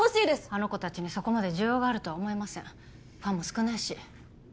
あの子達にそこまで需要があるとは思えませんファンも少ないし８